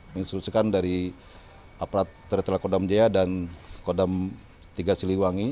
menginstruksikan dari aparat teritola kodam jaya dan kodam tiga siliwangi